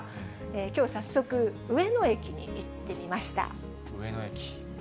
きょう早速、上野駅に行ってみました。